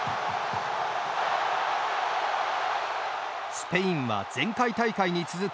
スペインは前回大会に続く